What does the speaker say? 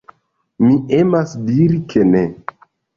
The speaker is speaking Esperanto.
Mi emas diri ke ne.